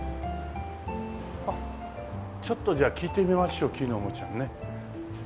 ちょっとじゃあ聞いてみましょう木のおもちゃにね。